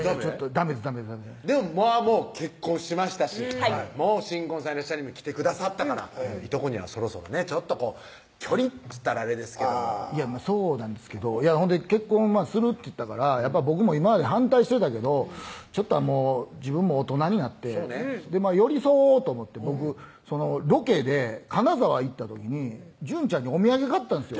ダメですダメですでももう結婚しましたし新婚さんいらっしゃい！にも来てくださいとこにはそろそろね距離っつったらあれですけどもそうなんですけど「結婚する」って言ったから僕も今まで反対してたけどちょっとは自分も大人になって寄り添おうと思って僕ロケで金沢行った時に准ちゃんにお土産買ったんですよ